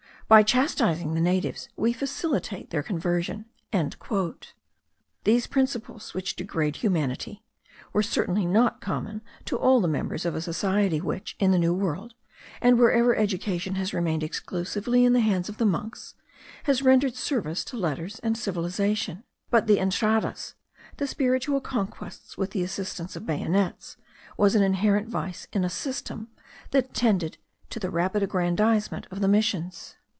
By chastising the natives, we facilitate their conversion." These principles, which degrade humanity, were certainly not common to all the members of a society which, in the New World, and wherever education has remained exclusively in the hands of monks, has rendered service to letters and civilization. But the entradas, the spiritual conquests with the assistance of bayonets, was an inherent vice in a system, that tended to the rapid aggrandizement of the Missions.